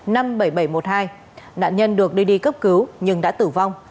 nạn nhân được đi đi cấp cứu nhưng đã tử vong